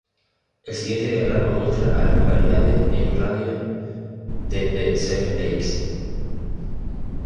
El siguiente diagrama muestra a las localidades en un radio de de Seven Lakes.